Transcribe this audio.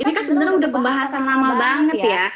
ini kan sebenarnya udah pembahasan lama banget ya